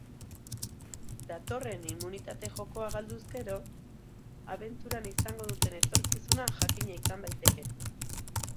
Datorren inmunitate jokoa galdu ezkero, abenturan izango duten etorkizuna jakina izan daiteke.